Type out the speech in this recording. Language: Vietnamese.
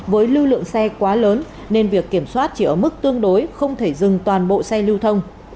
với lưu lượng xe quá lớn nên việc kiểm soát chỉ ở mức tương đối không thể dừng toàn bộ xe lưu thông